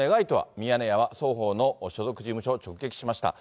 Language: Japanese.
ミヤネ屋は双方の所属事務所を直撃しました。